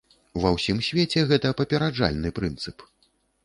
Ва ўсім свеце гэта папераджальны прынцып.